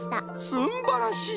すんばらしい！